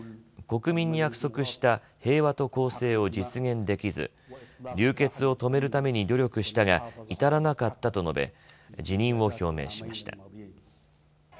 国民に約束した平和と公正を実現できず流血を止めるために努力したが至らなかったと述べ辞任を表明しました。